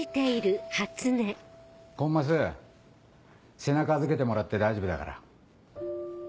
背中預けてもらって大丈夫だから。